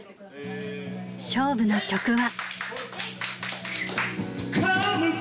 勝負の曲は。